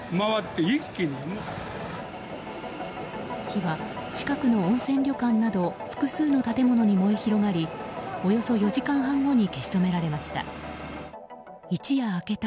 火は近くの温泉旅館など複数の建物に燃え広がりおよそ４時間半後に消し止められました。